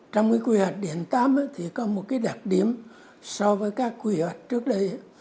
trong cái quy hoạch điện tám thì có một cái đặc điểm so với các quy hoạch trước đây